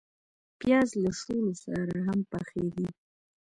پیاز له شولو سره هم پخیږي